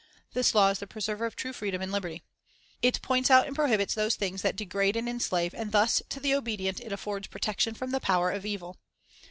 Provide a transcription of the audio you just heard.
This law is the preserver of true freedom and liberty. It points out and prohibits those things that degrade and enslave, and thus to the obedient it affords protection from the power of evil.